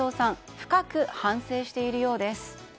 深く反省しているようです。